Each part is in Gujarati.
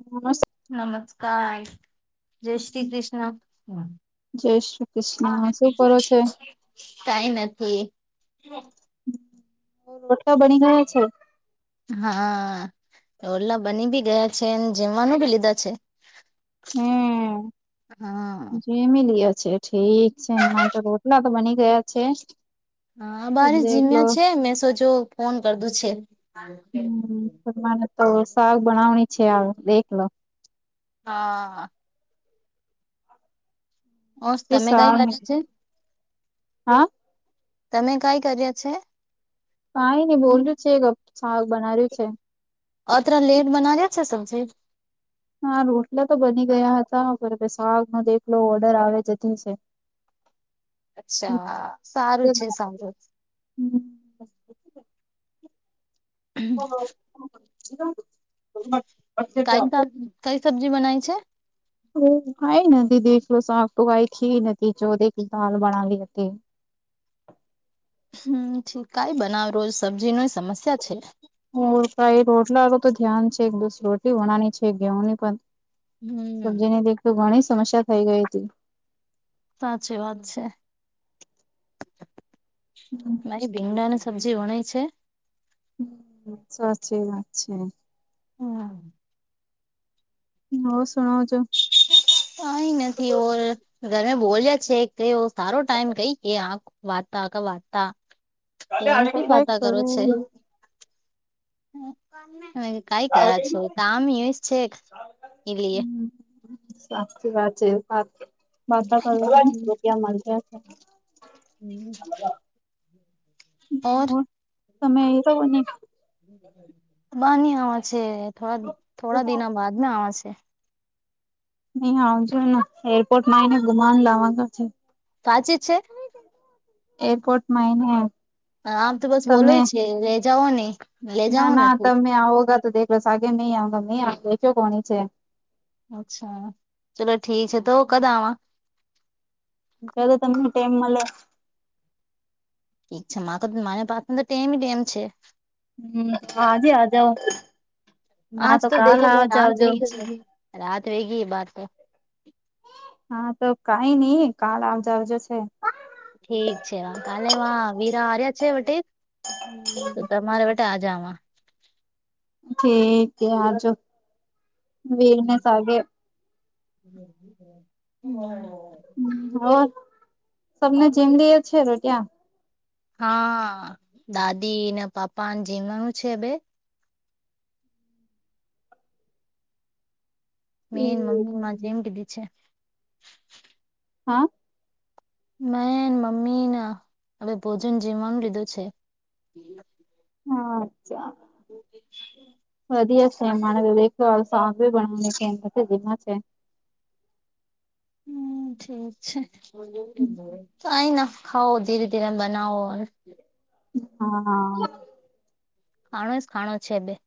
હ નમસ્કાર જય શ્રી કૃષ્ણ. જય શ્રી કૃષ્ણ શું કરો છે. કઈ નથી મોટલા બની ગયા છે. હા ઓલા બની ભી ગયા છે જમવાનું ભી લીધા છે. હમ ફેમિલી છે ઠીક છે માને તો રોટલા તો બની ગયા છે. હા બારી જીમ્યા છે મેં સોજો ફોન કર દું છે. હમ મને તો શક બનાવણી છે આ એકલો હા હસ તમે કઈ કર્યું છે. હા તમે કઈ કર્યા છે. કઈ નઈ બોલ્યું છે શાક બનાવ્યું છે. અત્ર લેન બનાવ્યા છે. હા રોટલા તો બની ગયા હતા પણ શકના દેલો ઓર્ડર આવે જતી છે. અચ્છા સારું છે સારું. હમ! હા. કઈ કઈ સબ્જી બનાય છે? ઓ હાઈ નથી દે લો સાફ તોવાઈ થ નથી ચો ક દાલ બનાલી હતી. હમ કાંઈ બનાવીએ સબ્જીની સમસ્યા છે. હ કાઈ રોટલાનું તો ધ્યાન છે. એક દિવસ રોટલી વણાની છે ઘેઉની પણ સબ્જીને લીધે એક તો ઘણી સમસ્યા થઈ ગઈ હતી. સાચી વાત છે. ભીંડાને સબ્જી વણાય છે? હમ સાચી વાત છે. હું. [unintelligible] કઈ નથી ઓ ઘરમે બોલ્યા છે કે સારો ટાઈમ કઈ કે આખ- વાતા ક વાતા ફોનથી વાતા કરો છે. [unintelligible] કઈ કર છો તો આમ યુસ છે એઈએ- સાચી વાત છે વાત વાતા [inaudible] કર રગ્યા મળ- હમ! તમે રો ને. બાની આવે છે થોડા થોડા દિના બાદ ને આવે છે. નહી આવજો ને એરપોર્ટ માં આવીને ગુમાવા લાવવાનો છે. સાચી છે. એરપોર્ટમાં એને- આમ તો બસ બોલોય છે લે જાઓ નહી. ના ના તમે આવોગા તો દેખલો સા આગે નહીં આવા મેં આપ બેેખો કોની છે. અચ્છા ચલો ઠીક છે તો કદ આવા. ચલો તમને ટેમ મલે ઠી છે મા ક માને પાથન તો ટેમ [inaudible] ડેમ છે. હમ આજે આજાવો. આજ તો દેખો કે રાત [inaudible] વગ છે રાત વેગી એ બાત તો- હા તો કઈ નઈ કાલ આવજાવજો છે. ઠીક છે વા કાલે વા વીરા હર્યા છે વટે તો તમારે- તા જાવા- ઠીક આજો વીરને સાગે- બરાબર. તમને જેીમ લેએ છે રટયા હા દાદી ને પાપ્પાને જેવાનું છે બે. મેન મમ્મી માં જેમ કીધી છે. હા! મેં મમ્મી ના હવે ભોજન જીવવાનું લીધું છે. હા અચ્છા! હા! [inaudible] વધી હ એ [inaudible] દેખણવાની કેમ છે. હમ ઠીક છે તાઈના. ખાઓ ધીરે ધીરે બનાવો. હા! ખાણો ખાણો છે બેન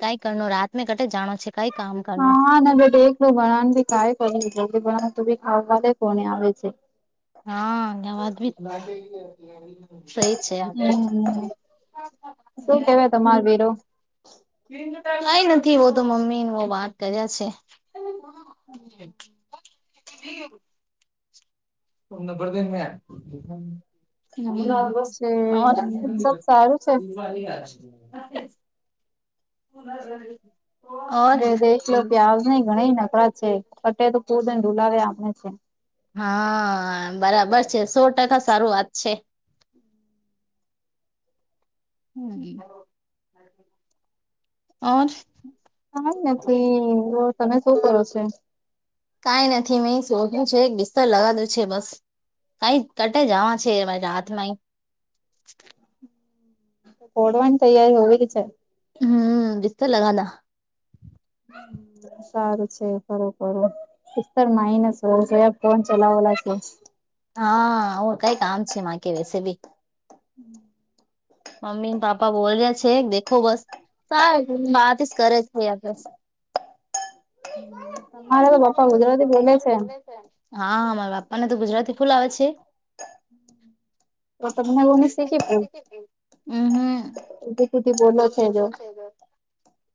કઈ કર રાત મેં કટે જાણો છે. કઈ કામ. હા બેટ એકલું ભણવા ભી કાય કર ભણ તું બી ખાવદે કોને આવે છે. હા હ વાદવી શઈ છે. હમ શું કેવાય તમાર વરો. કઈ નથી વો તો મમ્મી વો વાત કર્યા છે. હ [unintelligible] [inaudible] પગ ન ભર દેને યાર હ [inaudible] મળરી છે [inaudible] બે દ કલો પ્યાજ નને ઘણી નકળ છે, ખટે તો પૂરને ઢુલાવે આપને છે. હા, બરાબર છે સો ટકા સારું વાત છે. હમ્મ [unintelligible] [unintelligible] કાઈ નથી, તમે શું કરો છો? કઈ નથી મેં શો [inaudible] છે, એક બિસ્તર લગાદો છે, બસ કઈ કટે જવા છે હાથ માં પોડવાની તૈયારી હોય ર છે, હમ્મ [unintelligible] સારું છે, કરો કરો, ર માઇનસ હો ફોન ચલાવલા છે, હા હું કઈક આામ છે, કે [inaudible] મમ્મી ને પાપા બોલ રહ્યા છે, દેખો બસ સાર માથી જ કરે છે અભસ મારે તો પપ્પા ગુજરાતી બોલે છે, હા, મારા બાપ્પા ને તો ગુજરાતી ફૂલ આવે છે. બત બ ના ભને શીખી [inaudible] બોલો છે જો.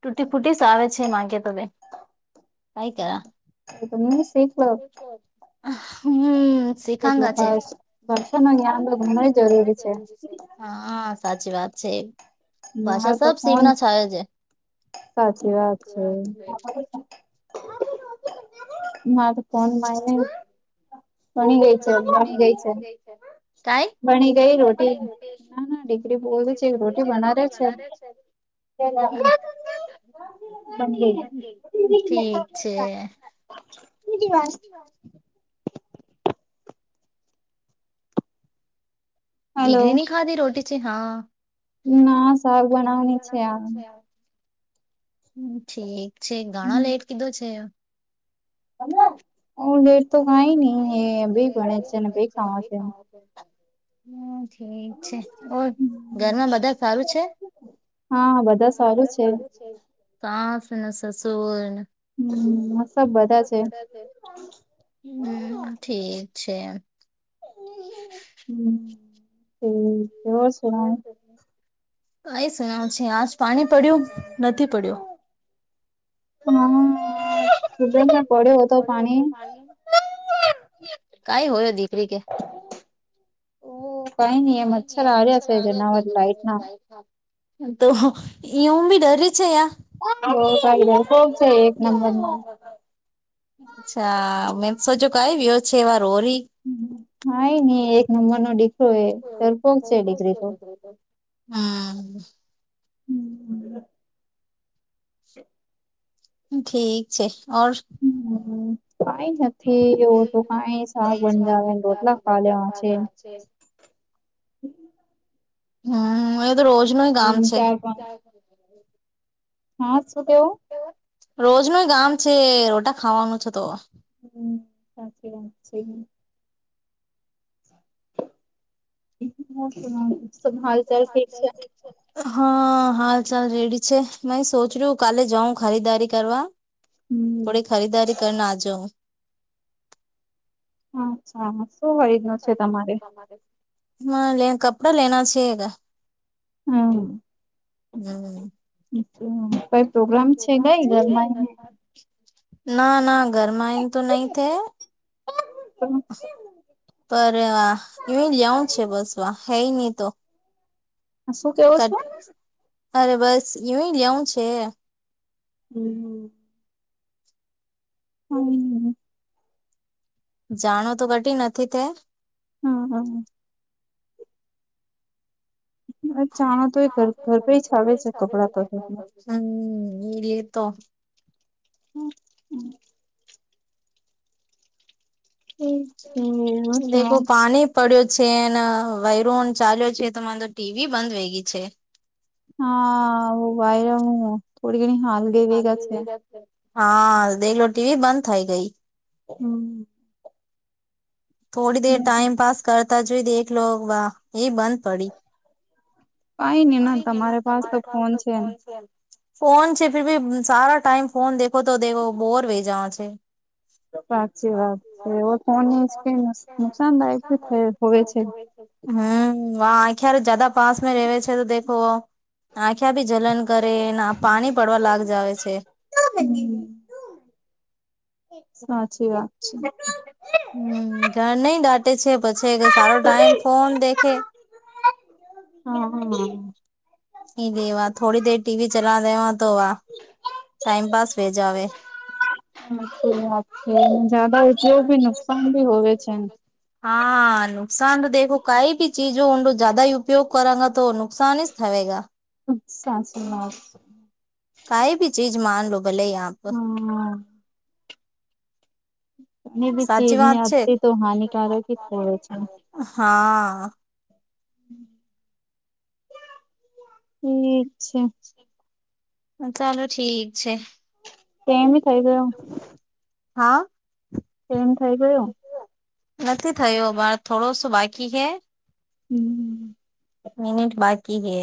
તૂટી ફૂટીસ આવે છે, માગે તને કઈ કર હમ્મ શીખાંગ છે [inaudible] હા સાચી વાત છે, ભાષા સબ શિવિવ ના છાવ છે. સાચી વાત છે, ના તો ફન મા ભની ગઈ છે મારી ગઈ છે, ભણી ગઈ રોટી ના ના દીકરી બોલ છે રોટી બનારે છે, [unintelligible] [unintelligible] [unintelligible] ડિગ્રી ન ખાધી રોટી છે હા. ના સાક બણાવવાની છે, આ હમ્મ ઠીક છે ઘણા લેટ કીધો છે, [inaudible] હ રેટ તો કઈ નહી એ ભ ભણે છે ભ ખાવા છે. [unintelligible] હમ્મ ઠીક છે, ઓ ઘરમાં બધા સારું છે? હા, બધા સારું છે. સાંસ અને સસુર હમ્મ સબ બધા છે. હમ્મ ઠીક છે. [inaudible] હમ્મ રોવે સે [inaudible] કઈ સુનાવ છે આજ પાણી પડ્યું નથી પડ્યો. [unintelligible] કઈ હોયો દીકરી કે? કઈ નઈ એ મચ્છર આડ્યા છે, જેનાવર લાઈટ ના [unintelligible] તો એવું બી ડરે છે, યા હ કાય [unintelligible] એક નંબર માં અચ્છા મે સોચો કઈ વ્યો છે વા રોરી હા એ નઈ એક નંબર નો દીકરો એ ડરપોક છે દીકરી તો. હમ્મ હમ્મ હમ્મ [inaudible] ઠીક છે ઓર હમ કાંઈ ન થી એવું તો કાઈ [unintelligible] રોટલા ખાવ લેવા છે. હમ એ તો રોજ નય કામ છે. હા શું કેવું? રોજ નુ કામ મ છે રોટા ખાવાનું છે તો હ સાચી રા છે. [unintelligible] સંભાલ હાલ [unintelligible] હા હાલ ચાલ રેડી છે મે સોચ્યું કાલે જાઉં ખરીદારી કરવા થોડી ખરીદારી કર ના આજો અચ્છા શું ખરીદનો છે તમારે [inaudible] હ લે કપડા લેના છે ગા હમ કઈ પ્રોગ્રામ છે કઈ ઘરમાં ના ના ગરમાન તો નહી થે હમ પર યુહી જાઉં છે બસ વા હેય નહ તો અરે બસ યુહી જાઉં છે. હમ હમ જાણો તો ઘટી નથી તે હમ હમ [unintelligible] આવેે છે કપડાં તો હમ એ તો હમ દેખું પાણી પડ્યો છે ને વયરોન ચાલ્યો છે તો તો ટીવી બંધ વહી ગી છે. હા હું વાઈરા હું થોડી ઘણી હાલ હા દેલો ટીવી બંધ થઇ ગઈ. હમ થોડી દેર ટાઈમ પાસ કરતા જોઈ દેખલો વા એ બંધ પડી તમા પાસ તફોન છે ફી સારા ટાઈમ ફોન દે ખો તો દેવો બોર વે જવા છે. સાચી વાત છે કોની જ કઈ નુકસાનદાયક થ હોવે છે. હમ આખ્યારે જાદા પાસ મે રહેવે છે તો દો આખ્યા ભી જલન કરેને પાણી પડવા લાગ જાવે છે. [unintelligible] સાચી વાત છે. હમ ઘર નઈ ડાટે છે પછી સારો ટાઈમ ફોન દેખે હમ હમ એ વા થોડી દેર ટીવી ચલા દેવા તો વા ટાઈમ પાસ ભે જ આવે વા છે જદ જો ભી નુકસાન ભી હોવે છે. હા નુકસાન તો દેખો કઈ ભી ચીજ જ્યાદ ઉપયોગ કરાંગ તો નુકસાન હ થવેગ સા શ કઈ ભી ચીજ માન લો ભલે હમ સાચી વાત છે હા અચ્છા ચાલો ઠીક છે. ટેમી થઈ ગયો. હા, ટેમ થાઈ ગયો. નથી થયયો અબાર થોડો શું બાકી હે. હમ, મિનિટ બાકી હે,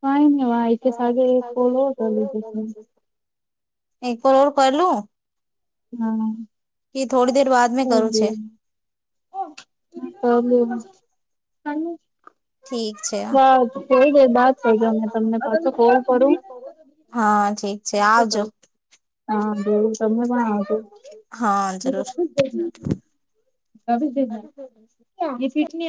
કઈ નહી વા ઈ કે સાગે એક કોલ ઓર કરલીજે, એ કોલ ઓર કરલું. હા, કે થોડી દેર બાદ મેં કરું છે. અ કરલો, હા થોડી દેર બાદ કરજો, તમને પાછું કોલ કરું. હા ઠીક છે આવજો. હા જરૂર, અ [unintelligible] એ ફિટ ની આ